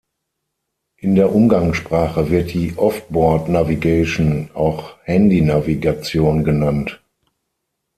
In der Umgangssprache wird die Offboard-Navigation auch "Handy-Navigation" genannt.